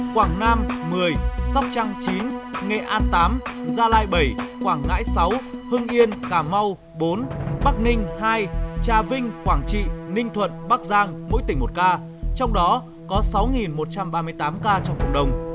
quảng nam một mươi sóc trăng chín nghệ an tám gia lai bảy quảng ngãi sáu hưng yên cà mau bốn bắc ninh hai trà vinh quảng trị ninh thuận bắc giang mỗi tỉnh một ca trong đó có sáu một trăm ba mươi tám ca trong cộng đồng